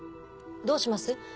どうします？